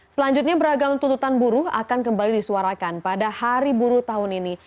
selanjutnya beragam tuntutan buruh akan kembali disuarakan pada hari buruh tahun ini